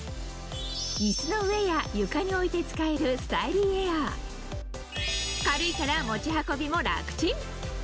イスの上や床に置いて使えるスタイリーエアー軽いから持ち運びも楽ちん！